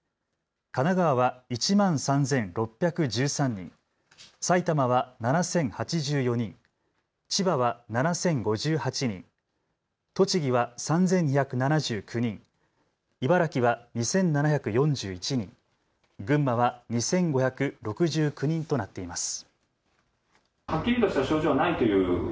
神奈川は１万３６１３人、埼玉は７０８４人、千葉は７０５８人、栃木は３２７９人、茨城は２７４１人、群馬は２５６９人となっています。